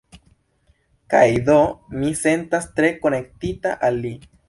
Kaj do mi sentas tre konektita al li.